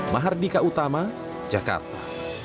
mahardika utama jakarta